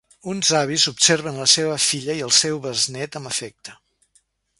Uns avis observen la seva filla i el seu besnét amb afecte.